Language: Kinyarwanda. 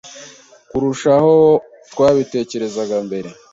kurusha uko twabitekerezaga mbere